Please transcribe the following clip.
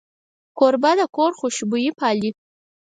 کوربه د کور خوشبويي پالي.